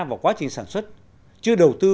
vào quá trình sản xuất chưa đầu tư